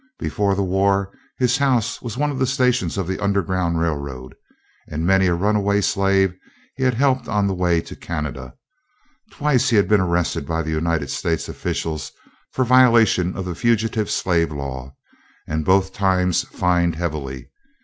Before the war his house was one of the stations of the underground railroad, and many a runaway slave he had helped on the way to Canada. Twice he had been arrested by the United States officials for violation of the fugitive slave law, and both times fined heavily.